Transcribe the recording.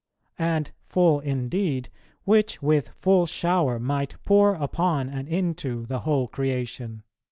And full indeed, which with full shower might pour upon and into the whole creation."